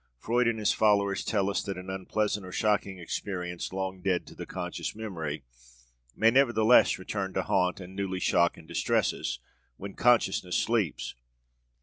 Freud and his followers tell us that an unpleasant or shocking experience, long dead to the conscious memory, may nevertheless return to haunt and newly shock and distress us when consciousness sleeps.